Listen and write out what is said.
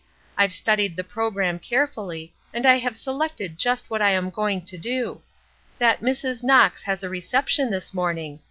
I've studied the programme carefully, and I have selected just what I am going to do. That Mrs. Knox has a reception this morning.